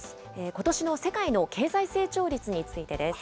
ことしの世界の経済成長率についてです。